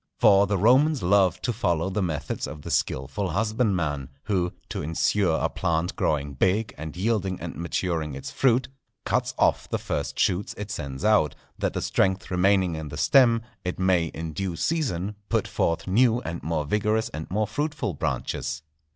For the Romans loved to follow the methods of the skilful husbandman, who, to insure a plant growing big and yielding and maturing its fruit, cuts off the first shoots it sends out, that the strength remaining in the stem, it may in due season put forth new and more vigorous and more fruitful branches.